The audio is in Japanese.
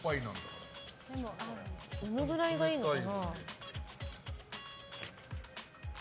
どのくらいがいいのかな。